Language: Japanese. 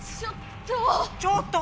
ちょっと！